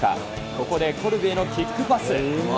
ここでコルビへのキックパス。